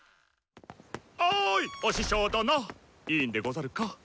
おいお師匠殿いいんでござるか？